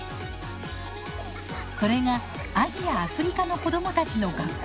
それがアジア・アフリカの子どもたちの学校